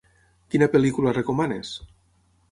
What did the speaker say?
Quina pel·lícula recomanes?